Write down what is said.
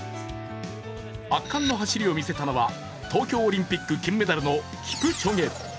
圧巻の走りを見せたのは、東京オリンピック金メダルのキプチョゲ。